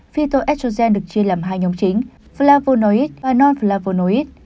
phyto estrogen được chia làm hai nhóm chính flavonoid và non flavonoid